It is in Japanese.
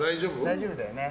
大丈夫だよね。